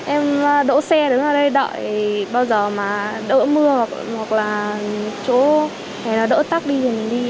em đỗ xe đứng ở đây đợi bao giờ mà đỡ mưa hoặc là chỗ đỡ tắc đi thì mình đi